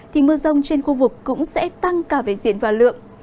thì mưa rông trên khu vực cũng sẽ tăng cả về diện và lượng